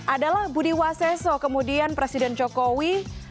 adalah budi waseso kemudian presiden jokowi